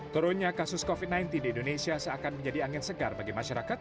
turunnya kasus covid sembilan belas di indonesia seakan menjadi angin segar bagi masyarakat